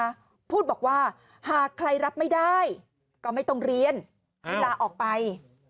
พูดบอกว่าหากใครรับไม่ได้ก็ไม่ต้องเรียนให้ลาออกไป